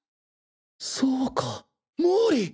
そうか毛利。